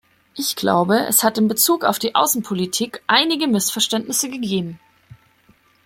Ich glaube, es hat in Bezug auf die Außenpolitik einige Missverständnisse gegeben.